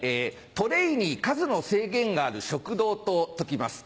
トレイに数の制限がある食堂と解きます。